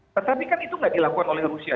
tetapi kan itu tidak dilakukan oleh rusia